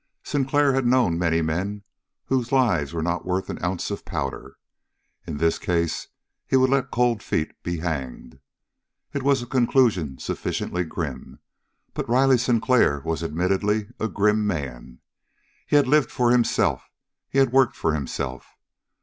Sinclair had known many men whose lives were not worth an ounce of powder. In this case he would let Cold Feet be hanged. It was a conclusion sufficiently grim, but Riley Sinclair was admittedly a grim man. He had lived for himself, he had worked for himself.